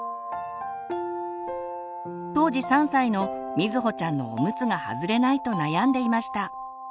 当時３歳の瑞穂ちゃんのおむつが外れないと悩んでいました。